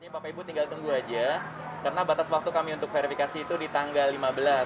bapak ibu tinggal tunggu aja karena batas waktu kami untuk verifikasi itu di tanggal lima belas